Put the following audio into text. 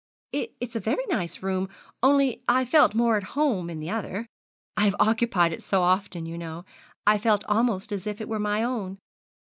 'It's a very nice room; only I felt more at home in the other. I have occupied it so often, you know, I felt almost as if it were my own.